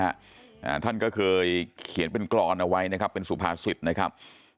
อ่าท่านก็เคยเขียนเป็นกรอนเอาไว้นะครับเป็นสุภาษิตนะครับ